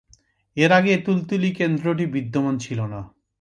এর আগে কুলতলি কেন্দ্রটি বিদ্যমান ছিল না।